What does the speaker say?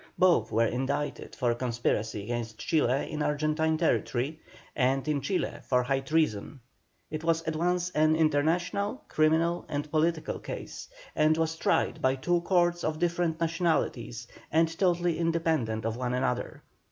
Both were indicted for conspiracy against Chile in Argentine territory, and in Chile for high treason. It was at once an international, criminal, and political case, and was tried by two courts of different nationalities, and totally independent of one another.